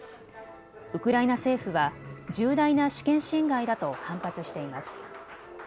ウクライナ政府は重大な主権侵害だと反発しています。